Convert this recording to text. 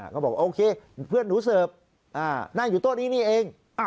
ก็บอกโอเคเพื่อนหนูเสิร์ฟนั่งอยู่โต๊ะนี้นี่เอง